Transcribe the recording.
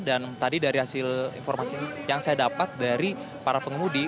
dan tadi dari hasil informasi yang saya dapat dari para pengemudi